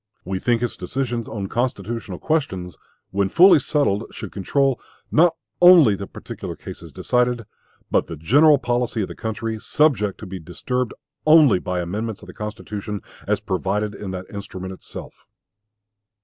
We think its decisions on constitutional questions, when fully settled, should control, not only the particular cases decided, but the general policy of the country, subject to be disturbed only by amendments of the Constitution as provided in that instrument itself.